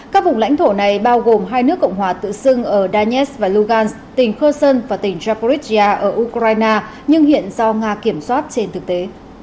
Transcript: các vùng lãnh thổ này bao gồm hai nước cộng hòa tự xưng ở danes và lugansk tỉnh kherson và tỉnh tchaporizhia ở ukraine nhưng hiện do nga kiểm soát trên thực tế